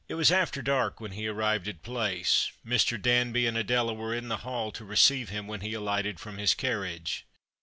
It was after dark when he arrived at Place. Mr. Danby and Adela were in the hall to receive him when he alighted from his carriage.